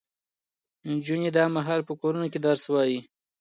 نجونې دا مهال په کورونو کې درس وايي.